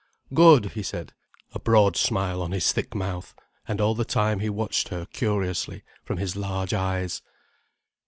"Good," he said, a broad smile on his thick mouth. And all the time he watched her curiously, from his large eyes.